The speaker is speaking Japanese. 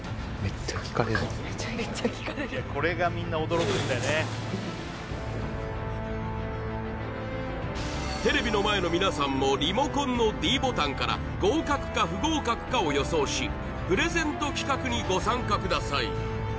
そうですかふうテレビの前の皆さんもリモコンのｄボタンから合格か不合格かを予想しプレゼント企画にご参加ください